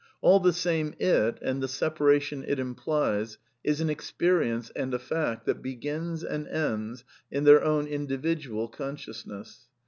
All the same it, and the separation it implies, is an experience and a fact that begins and ends in their own individual consciousness.